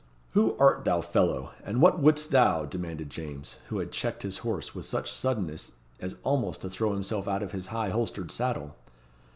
"Who art thou, fellow? and what wouldst thou?" demanded James, who had checked his horse with such suddenness as almost to throw himself out of his high holstered saddle.